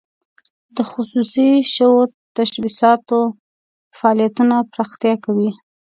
د خصوصي شوو تشبثاتو فعالیتونه پراختیا کوي.